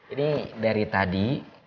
ini dari tadi